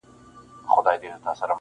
• ما شپه ده راوستلې سپینوې یې او کنه -